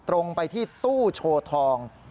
ตรงไปที่ตู้โชว์ทอง